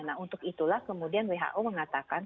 nah untuk itulah kemudian who mengatakan